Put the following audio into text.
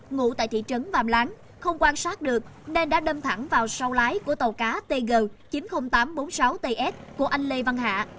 ngủ tại thị trấn vàm láng không quan sát được nên đã đâm thẳng vào sau lái của tàu cá tg chín mươi nghìn tám trăm bốn mươi sáu ts của anh lê văn hạ